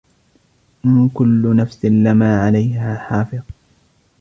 إن كل نفس لما عليها حافظ